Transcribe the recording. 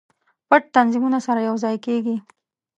پټ تنظیمونه سره یو ځای کیږي.